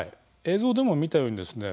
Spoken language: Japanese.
映像でも見たようにですね